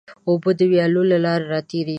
اوبه د ویالو له لارې راتېرېږي.